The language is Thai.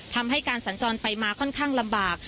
ทำให้การสัญจรไปมาค่อนข้างลำบาก